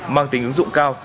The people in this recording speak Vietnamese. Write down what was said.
mang tính ứng dụng cao